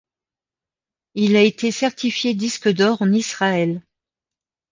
Il a été certifié disque d'or en Israël.